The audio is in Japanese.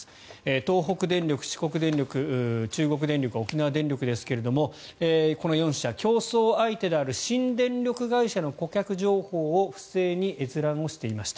東北電力、四国電力中国電力、沖縄電力ですがこの４社、競争相手である新電力会社の顧客情報を不正に閲覧をしていました。